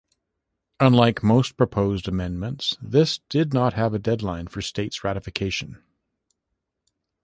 Unlike most proposed amendments, this did not have a deadline for state's ratification.